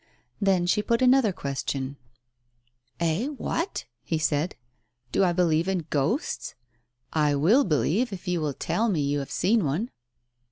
Then she put another question — "Eh! What?" he said. "Do I'believe in ghosts? I will believe you if you will tell me you have seen one."